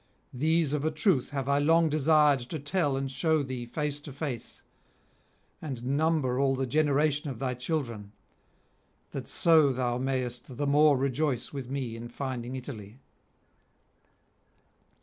These of a truth have I long desired to tell and shew thee face to face, and number all the generation of thy children, that so thou mayest the more rejoice with me in finding Italy.'